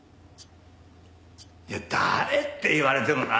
いや誰って言われてもな。